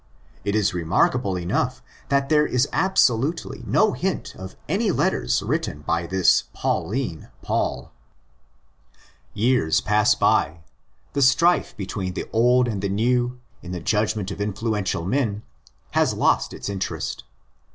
It is remarkable enough that there is absolutely no hint of any letters written by this Pauline Paul. Years again pass by. The strife between the old and the new, in the judgment of influential men, has 102 THE ACTS OF THE APOSTLES lost its interest.